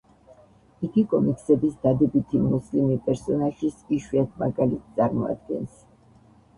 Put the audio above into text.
იგი კომიქსების დადებითი მუსლიმი პერსონაჟის იშვიათ მაგალითს წარმოადგენს.